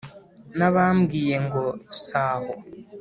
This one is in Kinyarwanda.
n’abambwiye ngo : si aho,